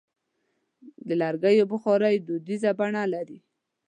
د لرګیو بخاري دودیزه بڼه لري.